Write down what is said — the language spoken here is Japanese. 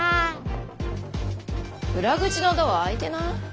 裏口のドア開いてない？